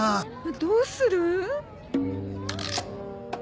どうする？